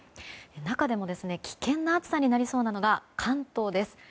中でも危険な暑さになりそうなのが関東です。